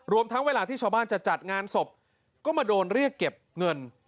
ทั้งเวลาที่ชาวบ้านจะจัดงานศพก็มาโดนเรียกเก็บเงิน